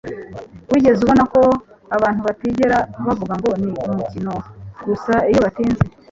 Wigeze ubona ko abantu batigera bavuga ngo "Ni umukino gusa" iyo batsinze?